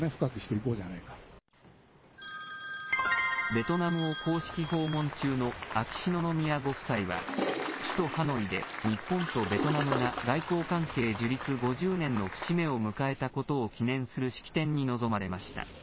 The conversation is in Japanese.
ベトナムを公式訪問中の秋篠宮ご夫妻は、首都ハノイで日本とベトナムが外交関係樹立５０年の節目を迎えたことを記念する式典に臨まれました。